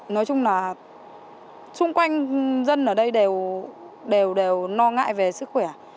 nói chung là xung quanh dân ở đây đều lo ngại về sức khỏe